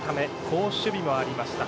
好守備もありました。